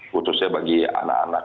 khususnya bagi anak anak